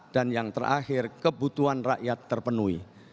dan yang terakhir kebutuhan rakyat terpenuhi